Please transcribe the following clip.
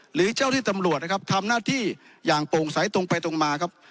หรือเจ้าที่ตำรวจนะครับทำหน้าที่อย่างโปร่งใสตรงไปตรงมาครับ